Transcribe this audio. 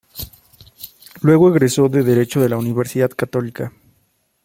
Luego egresó de derecho de la Universidad Católica.